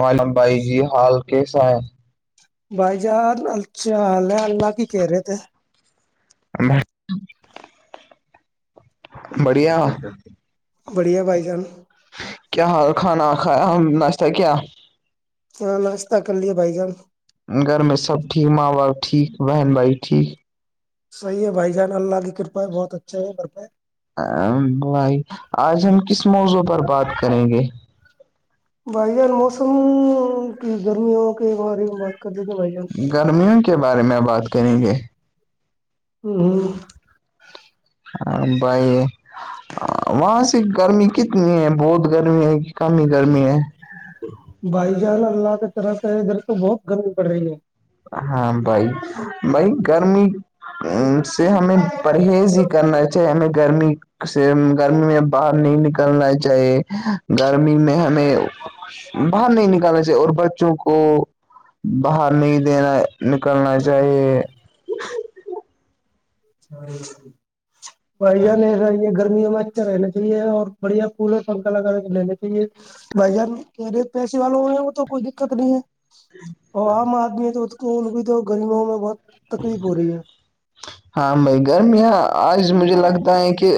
عالم بھائی جی حال کیسا ہے بھائی جان الچھا اللہ اللہ کی کہہ رہے تھے بس بڑھیا بڑھیا بھائی جان کیا حال کھانا کھایا ناشتہ کیا ہاں ناشتہ کر لیے بھائی جان گھر میں سب ٹھیک ماں باپ ٹھیک بہن بھائی ٹھیک صحی ہے بھائی جان اللہ کی کرپا ہے بہت اچھے ہے بتائے ا بھائی آج ہم کس موضوع پر بات کریں گے بھائی جان موسم کی گرمیوں کے بارے میں بات کر دیتے بھائی جان گرمیوں کے بارے میں بات کریں گے ہوں ہوں ہ بھائی وہاں سے گرمی کتنی ہے بہت گرمی ہے کمی ہی گرمی ہے بھائی جان اللہ کی طرف ادھر تو بہت گمی پڑ رہی ہے ہاں بھائی بھائی گرمی سے ہمیں پرہیز ہی کرنار چ ایں گرمی سے گرمی میں باہر نہیں نکلنا چاہیے گرمی میں ہمیں باہر نہیں نکالنے سے اور بچوں کو باہر نہیں دینا نکلنا چاہیے پ ا ج نہیں ا گرمیوں میں رہنا چاہیے اور بڑھیا کولر پنکھا لگا کے لنے چاہیے بھائی ار کہ رے پیسے والو ہوئے ہیں وہ تو کوئی دقت نہیں ہے ا عام آدمی ہے تو کو ان کی تو گرمیوں میں بہت تکلیف ہو رہی ہے ہاں میں گگرم یہ آج مجھے لگتا ہے کہ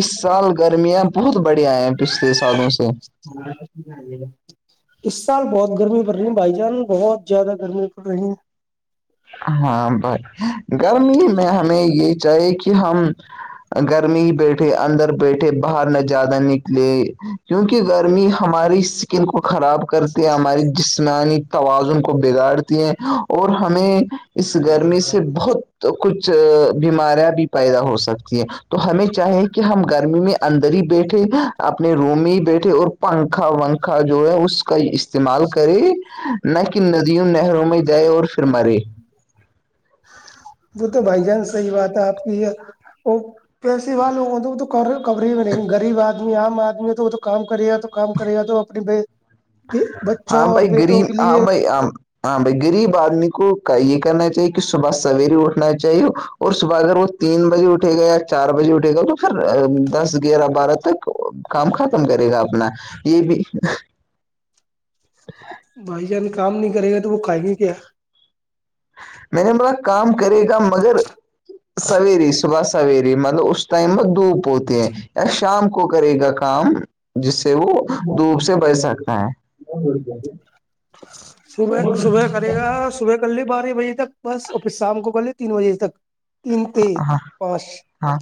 اس سال گرمیاں بہت بڑیا ہیں پچھلے سالوں سے [inaudible] اس سال بہت گرمی پڑ رہی ہے بھائی جان بہت زیادہ گرمی پڑ رہی ہیں ہاں بائی گرمی میں ہمیں یہ چاہیے کہ ہم گرمی ہی بیٹھے اندر بیٹھے باہر نہ زیادہ نکلے کیونکہ گرمی ہماری ن کو خراب کرتی ہیں ہماری جسمانی توازن کو بگاڑتی ہیں اور ہم ہمیں اس ہے گرمی سے بہت کچھ بیماریاں بھی پیدا ہو سکتی ہیں تو ہمیں چاہیں کہ ہم گرمی میں اندر ہی بیٹھے اپنے روم میں ہی بیٹھے اور پنکھا ونکھا جو ہے اس کا استعمال کرے نہ کہ ندیوں نہروں میں جائے اور [inaudible] وہ تو بھائی جان صحی بات ہے آپ کی یہ وہ پیسے والوگوں تو وہ تو کب ہی میں نہیںغریب آدمی عام آدمی ہے تو وہ تو کام کرے گا تو کام کرے گا تو [inaudible] بچوں ہاں اور بھائی بیٹوں گریب کے ہاں لیے بھائی ہاں بھائی غریب آدمی کو یہ کرنا چاہیے کہ صبح سویر اٹھنا چاہیے اور صبح اگر وہ تین بجے اٹھے گا یا چار بجے اٹھے گا تو پھر دس گیارہ بارہ تک کام ختم کرے گا اپنا یہ بھی [inaudible] بھائی جان کام نہیں کرے گا تو وہ کھائیں گے کیا میں نے بولا کام کرے گا مگر سویرے سے صبح سویر مطلب اس ٹائم وہ دھوپ ہوتے ہیں یا شام کو کرے کا کام جس سے وہ دھوپ سے بچ سکتا ہے صبح صبح کرے گا صبح کر لے بارہ بجے تک بس اور پھر شام کو کر لے تین بجے تک تین ت ہاں پانچ ہاں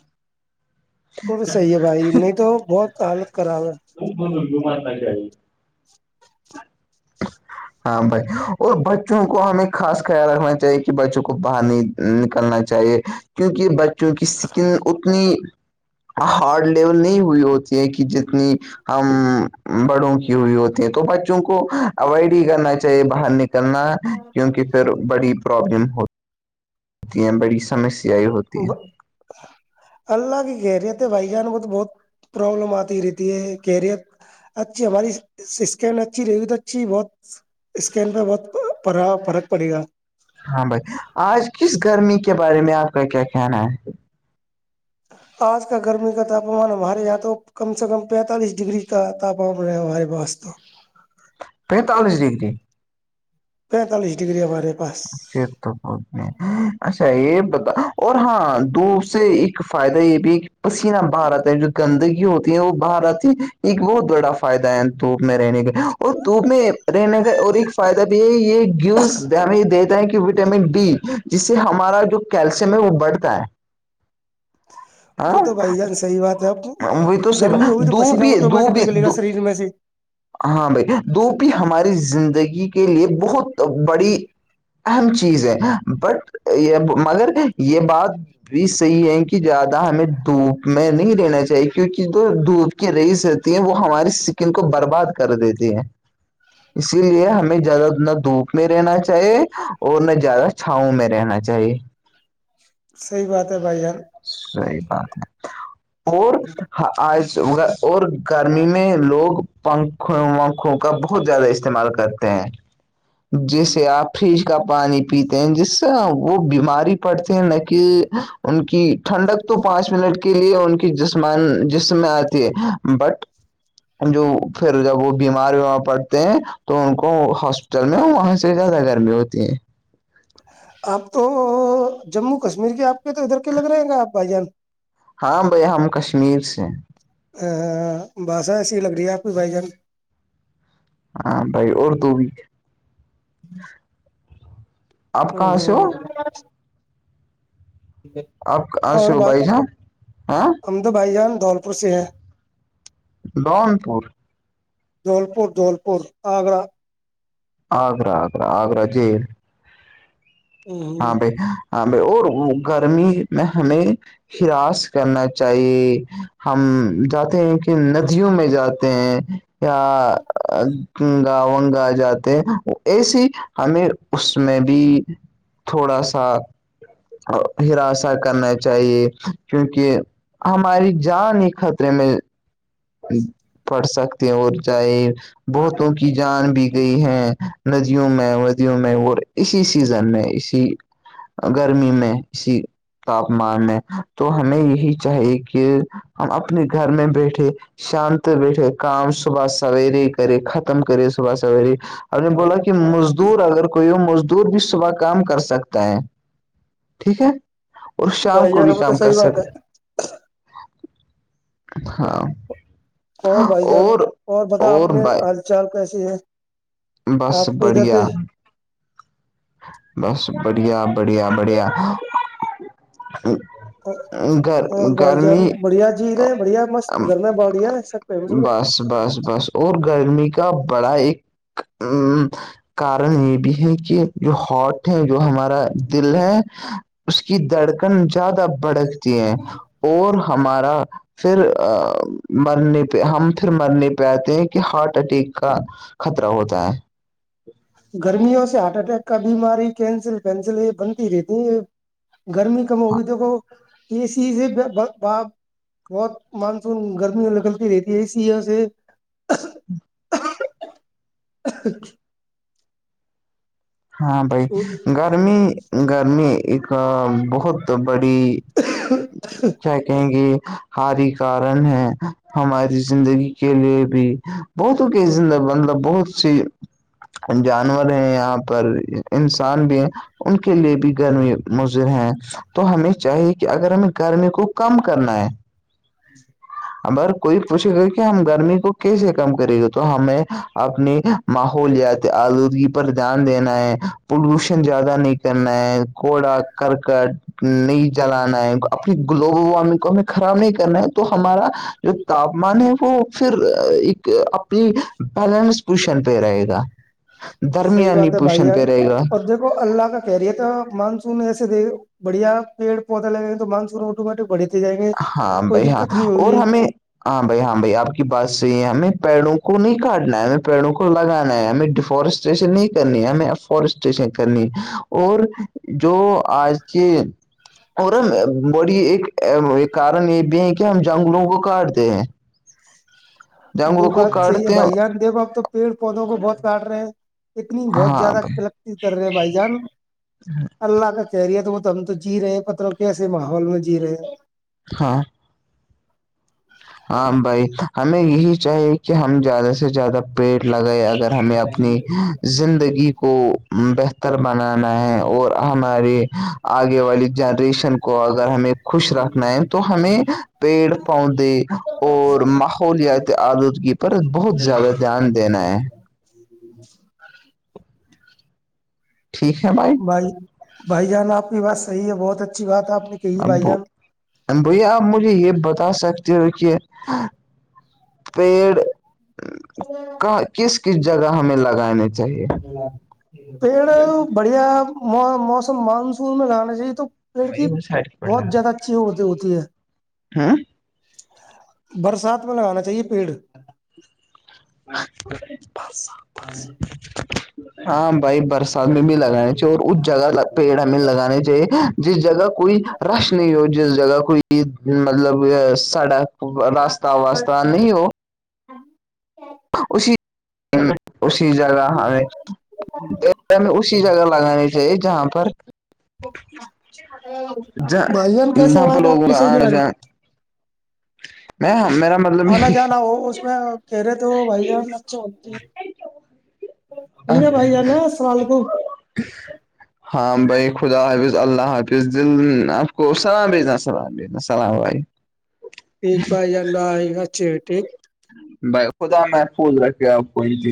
تو تو صحیح ہے بھائی نہیں تو بہت تمت کراوا وہ ب گومات ج [unintelligible] [inaudible] ہاں بھائی اور بچوں کو ہمیں خاص خیال رکھنا چاہیے کہ بچوں کو باہر نہیں نکلنا چاہیے کیونکہ بچ کیونکہ سکن اتنی ہارڈ لیول نہیں ہوئی ہوتی ہے کہ جتنی ہم بڑوں کی ہوئی ہوتی ہیں تو بچوں کو اوائڈ کرنا چاہیے باہر نکلنا کیونکہ پھر بڑی پرابلم ہوتی ہوتی ہیں بڑی سمسیا ہوتی ہیں ہے اللہ کی کہہ رہی ہے تھ بھائی جان کو تو بہت پروبلم آتی رہیتی ہے کیریر اچھی ہماری سکین اچھی رییوت اچھی بہت اسکین پہ بہت پڑا فرق پڑے گا ہاں بھائی آج کس گرمی کے بارے میں آپ کا کیا کہنا ہے آج کا گرمی کا تاپمان ہمارے یہ تو کم سے کم پینتالیس ڈگری کا [unintelligible] تپ ہم رہ ہمار واسست [unintelligible] پینتالیس ڈگری پینتالیس ڈگری ہمارے پاس پ تو بہت میں اچھا یہ بتا اور ہاں دو سے ایک فائدہ یہ بھی پسینہ باہر آتا ہے جو گندگی ہوتی ہے وہ باہر رہتی ہے ایک بہت بڑا فائدہ ہے دھوپ میں رہنے کا اور دھوپ میں رہنے کا اور ایک فائدہ بھی ہے یہ گیوز ہمیں یہ دیتا ہے کہ وٹامن ڈی جس سے ہمارا جو کیلشیم ہے وہ بڑھتا ہے وہ تو ہاں بھائی جان سحی بات اب وہی تو گرمی صحیح ہوگی تو دو پسیینہ بھی دو آٹومیٹک بھی لگ لے گا دھو- شریر میں سے ہاں بھائی دووپی ہماری زندگی کے لیے بہت بڑی اہم چیز ہے بٹ یہ مگر یہ بات بھی صحی ہے کہ زیادہ ہمیں دھوپ میں نہیں رہنا چاہی کیونک جو دودھ کی رئیس رہتی ہے وہ ہماری سکن کو برباد کر دیتی ہے اسی لیے ہمیں زیادہ نہ دھوپ میں رہنا چاہیے اور نہ زیادہ چھاؤں میں رہنا چاہیے صحیح بات ہے بھائی جان صحی بات ہے اور ہاں آج اور گرمی میں لوگ پنکھوں ونکھوں کا بہت زیادہ استعمال تے ہیں [unintelligible] جیسے اپ ہی کا پانی پیتے ہیں جس طرح وہ بیماری پڑتے ہیں نہ کہ ان کی ٹھنڈک تو پانچ منٹ کے لیے ان کی جسمان جسم میں آتی ہے بٹ جو پھر جب وہ بیمار ومار پڑتے ہیں تو ان کو ہ چل میں ہوں وہاں سے زیادہ گرمی ہوتی ہے آپ تو جموں کشمیر کے آپ کے تو ادھر کے لگ رہے ہیں گا آپ بھائی جان ہاں بھائی ہم کشمیر سے بس ایسی لگ رہی آ کوئی بائی جان ہاں بھائی اور تو بھی آپ ہوں کہاں سے ہوں ہو آپ کہاں اور سے ہو بھائی جان ہاں امدو بھائی جان دھولپور سے ہے دون پور جلپور جلپور آگرہ آگرگرہ آگرگرہ آگرہ جی ہاں بھائی ہاں بھائی اور گرمی میں ہمیں ہراس کرنا چاہیے ہم جاتے ہیں کہ ندیوں میں جاتے ہیں [unintelligible] گاون گائے جاتے ہیں ایسیے ہمیں اس میں بھی تھوڑا سا ہراساں کرنا چاہیے کیونکہ ہماری جان ہی خطرے میں پڑ سکتے ہیں اور چاہے بہتوں کی جان بھی گئی ہیں ندیوں میں ندیوں میں وہ اسی سیزن میں اسی گرمی میں اسی تاپمان میں تو ہمیں یہی چاہیے کہ ہم اپنے گھر میں بیٹھے شانت بیٹھے کام صبح سویرے ہی کرے ختم کرے صبح سویرے ہم نے بولا کہ مزدور اگر کوئی ہو مزدور بھی صبح کام کر سکتا ہے ٹھیک ہے اور شام بھائی کو جان بھی وہ تو کام کر صحیح بات ہے سکے ہاں اور بھائی جان اور بتا آپ نے ہال چال کیسی ہے بس آپ کے ادھر بڑھیا کے بس بڑھیا بڑھیا بڑھیا اور گر اور بھائی جان گرمی بڑھیا جھییر ہے بڑھیا مست گرم باڑیا ایسا کوئی بھی نہیں ہے بس بس اور گرمی کا بڑا ایک ا کارن یہ بھی ہے کہ جو ہاٹ ہے جو ہمارا دل ہے اس کی دھڑکن زیادہ بڑک ہیں اور ہمارا پھر مرنے پہ ہم پھر مرنے پہ آتے ہیں کہ ہارٹ اٹیک کا خطرہ ہوتا ہے گرمیوں سے ہارٹ اٹیک کا بیماری کینسل پینسل یہ بنتی رہتی یہ گرمی کم ہوگی تو کو اسی سے ب بہت مانسون گرمی نکلتی رہتی ہے اسی وہ سے ہاں اچ ہاں بائی گرمی گرمی ایک بہت بڑی کیا کہیں گے ہاری کارن ہے ہماری زندگی کے لیے بھی بہتوں کے زند مطلب بہت جانور ہیں یہاں پر انسان بھی ان کے لیے بھی گرمی مضر ہیں تو ہمیں چاہیے کہ اگر ہمیں گرمی کو کم کرنا ہے ج اگر کوئی پوچھے گا کہ ہم گرمی کو کیسے کم کرے گے تو ہمیں اپنی ماحول جیات آلودگی پر دھیان دینا ہے پلوشن زیادہ نہیں کرنا ہے گھڑا کرک نہیں جلانا ہے اپنی گلوبل وارمنگ کو ہمیں خراب نہیں کرنا ہے تو ہمارا جو تاپمان ہے وہ پھر ایک اپنی بیلنس پوشن پہ رہے گا صحیح درمیانی بات ہے بھائی پوشن جان پہ رہے گا اور دیکھو اللہ کا کہہ رہیے تھا مانسون ایسے دیک بڑھیا پیڑ پوتا لگے ہیں تو منسوٹو مٹے بڑھی ہاں بھائی ہاں اور ہمیں ہاں بھائی ہاں بھائی آپ کی بات صحی ہے ہمیں پیڑوں کو نہیں کاٹنا ہے ہمیں پیڑوں کو لگانا ہے ہمیں ڈیفورسٹ اسٹیشن نہیں کرنی ہمیں فورسٹ اسٹیشن کرنی ہے اور جو آج کے اور ہم بڑی ایک کارن یہ بھی ہے کہ ہم جنگلوں کو کاٹتے ہیں وہ جنگلوں کو بات صحیح ہے کاٹتے ہیں بھائی یہان دیکھو اپ تو پیڑ پودوں کو بہت کاٹ رہے ہیں اتنی بہت ہاں زیادہ بھائی کلکتی کر رہے بھائی جان اللہ کا کہہریی ہے تو وہ ت ہم تو جی رہے ہیں پتوں کیسے ماحول میں جی رہے ہیں ہاں ہاں بھائی ہمیں یہی چاہیے کہ ہم زیادہ سے زیادہ پیٹ لگائے اگر ہمیں اپنی زندگی کو بہتر بنانا ہے اور ہمارے آگے والی جنریشن کو اگر ہمیں خوش رکھنا ہے تو ہمیں پیڑ پودے تو ماحولیاتی آلودگی پر بہت زیادہ بالکل دھیان دینا ہے ٹھیک ہے بھائی بھائی بھائی جان آپ کی بات صحی ہے بہت اچھی بات ہے آپ نے کہی بھائی اببو جان بھیا آپ مجھے یہ بتا سکتے ہو کہ پیڑ کس کس جگہ ہمیں لگانے چاہیے پیڑ بڑھیا موسم مانسون میں لانا چاہیے تو لڑکی بہت زیادہ اچھی ہو ہوتی ہے ہاں برسات میں لگانا چاہیے پیڑ بس ہاں ہاں بھائی برسات میں بھی لگانانی چاہیے اور اس جگہ پیڑ ہمیں لگانے چاہیے جس جگہ کوئی رش نہیں ہو جس جگہ کوئی کہ مطلب سڈا راستہ واسہ نہیں وہ ہاں ای اسی جگہ ہم اسی جگہ لگانے جہاں پر بھائی جان کیسے جپ آواز آپ لوگ کی آ صحیح نہیں رہی میں میرا مطلب آنا جانا ہو اس میں کہہرے تو بھائی جان اچھے ہوتے ہیں ٹھیک ہے بھائی نا سر ل کوو ہاں بھائی خدا حافظ اللہ حافظ دل آپ کو سلام بھیجنا سلام بھیجنا سلام بھائی ٹھیک بھائی جاائی اچھی ٹھیک بھائی خدا میں پول رکھے آپ کو چیز